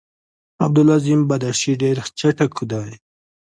عبدالعظیم بدخشي ډېر چټک دی.